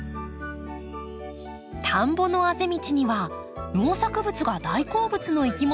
田んぼのあぜ道には農作物が大好物のいきものたちがいました。